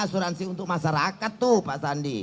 asuransi untuk masyarakat tuh pak sandi